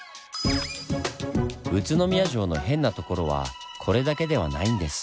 宇都宮城のヘンなところはこれだけではないんです。